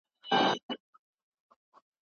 شاګرد باید د څېړني ټول مسؤلیت پر غاړه واخلي.